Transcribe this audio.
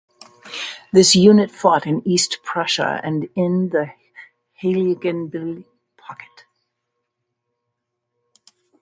This unit fought in East Prussia and in the Heiligenbeil Pocket.